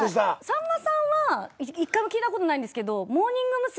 さんまさんは一回も聞いたことないんですけどモーニング娘。